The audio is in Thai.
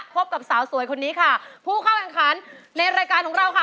กับสาวสวยคนนี้ค่ะผู้เข้าแข่งขันในรายการของเราค่ะ